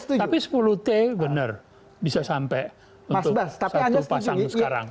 tapi sepuluh t benar bisa sampai untuk satu pasang sekarang